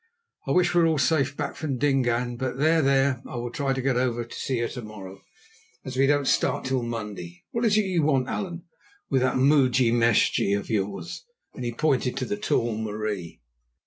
I wish we were all safe back from Dingaan. But there, there, I will try to get over to see her to morrow, as we don't start till Monday. What is it that you want, Allan, with that 'mooi mesje' of yours?"—and he pointed to the tall Marie.